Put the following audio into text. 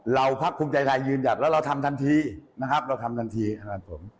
พักภูมิใจไทยยืนหยัดแล้วเราทำทันทีนะครับเราทำทันทีขนาดผม